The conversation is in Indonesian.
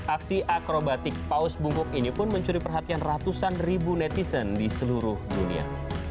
aksi akrobatik paus bungkuk ini pun mencuri perhatian ratusan ribu netizen di seluruh dunia